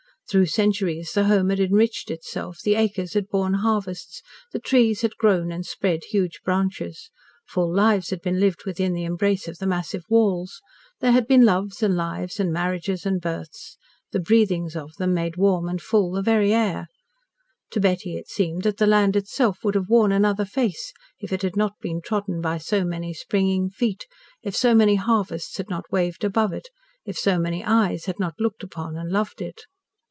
Through centuries the home had enriched itself, its acres had borne harvests, its trees had grown and spread huge branches, full lives had been lived within the embrace of the massive walls, there had been loves and lives and marriages and births, the breathings of them made warm and full the very air. To Betty it seemed that the land itself would have worn another face if it had not been trodden by so many springing feet, if so many harvests had not waved above it, if so many eyes had not looked upon and loved it.